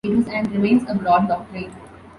It was and remains a broad doctrine.